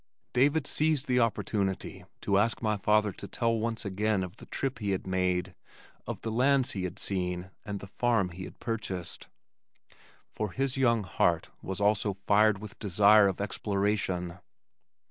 David seized the opportunity to ask my father to tell once again of the trip he had made, of the lands he had seen, and the farm he had purchased, for his young heart was also fired with desire of exploration.